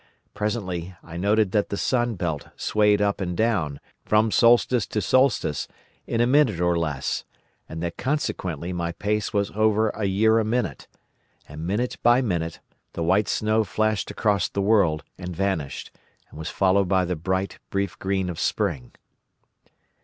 Presently I noted that the sun belt swayed up and down, from solstice to solstice, in a minute or less, and that consequently my pace was over a year a minute; and minute by minute the white snow flashed across the world, and vanished, and was followed by the bright, brief green of spring.